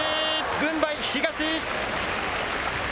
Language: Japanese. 軍配、東。